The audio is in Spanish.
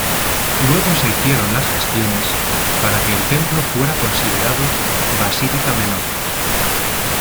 Luego se hicieron las gestiones para que el templo fuera considerado basílica Menor.